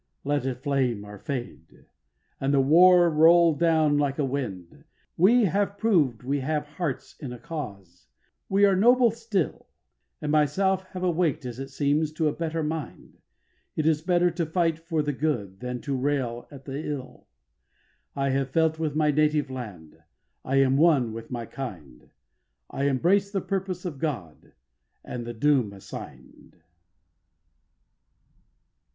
5. Let it flame or fade, and the war roll down like a wind, We have proved we have hearts in a cause, we are noble still, And myself have awaked, as it seems, to the better mind; It is better to fight for the good, than to rail at the ill; I have felt with my native land, I am one with my kind, I embrace the purpose of God, and the doom assign'd.